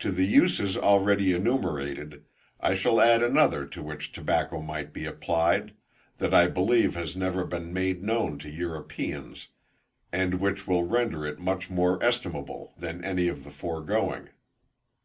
To the uses already enumerated, I shall add another to which tobacco might be applied, that I believe has never been made known to Europeans, and which will render it much more estimable than any of the foregoing.